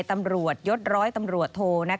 ตำรวจยศร้อยตำรวจโท